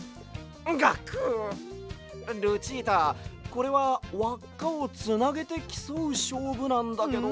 これはわっかをつなげてきそうしょうぶなんだけど。